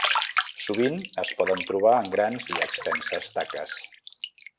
Sovint es poden trobar en grans i extenses taques.